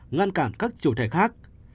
ngăn cản các chủ thể khác